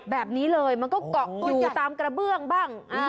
แบบนี้เลยมันก็เกาะตัวอยู่ตามกระเบื้องบ้าง